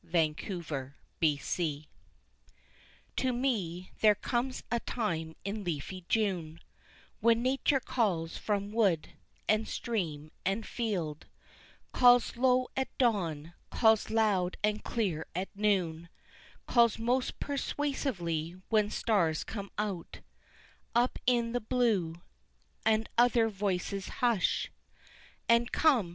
In the Wood To me, there comes a time in leafy June When nature calls from wood, and stream, and field, Calls low at dawn, calls loud and clear at noon, Calls most persuasively when stars come out Up in the blue, and other voices hush, And Come!